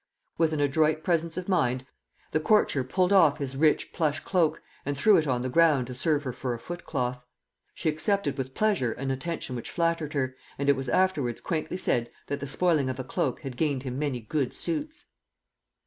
With an adroit presence of mind, the courtier pulled off his rich plush cloak and threw it on the ground to serve her for a footcloth. She accepted with pleasure an attention which flattered her, and it was afterwards quaintly said that the spoiling of a cloak had gained him many good suits.